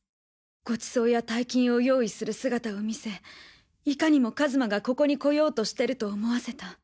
ごちそうや大金を用意する姿を見せいかにも一馬がここに来ようとしてると思わせた。